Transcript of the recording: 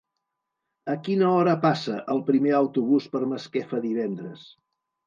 A quina hora passa el primer autobús per Masquefa divendres?